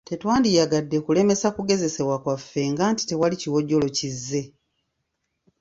Tetwandiyagadde kulemesa kugezesebwa kwaffe nga nti tewali kiwojjolo kizze.